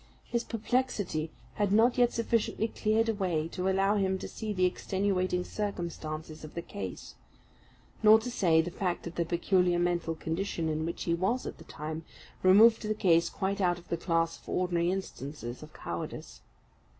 His perplexity had not yet sufficiently cleared away to allow him to see the extenuating circumstances of the case; not to say the fact that the peculiar mental condition in which he was at the time, removed the case quite out of the class of ordinary instances of cowardice.